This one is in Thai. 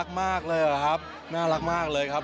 เขาน่ารักมากเลยครับ